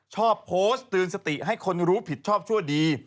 ชอบโพสต์เตือนสติให้คนรู้ผิดชอบชั่วดี